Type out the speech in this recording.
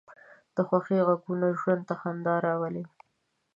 د خوښۍ غږونه ژوند ته خندا راولي